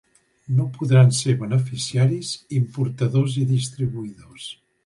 No podran ser beneficiaris importadors i distribuïdors.